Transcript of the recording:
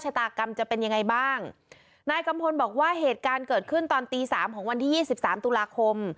ชะตากรรมจะเป็นยังไงบ้างนายกัมพลบอกว่าเหตุการณ์เกิดขึ้นตอนตีสามของวันที่ยี่สิบสามตุลาคม